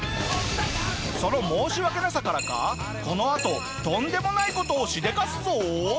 その申し訳なさからかこのあととんでもない事をしでかすぞ！